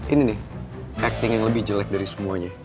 ini nih acting yang lebih jelek dari semuanya